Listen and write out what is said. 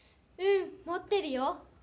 うん持ってるよ。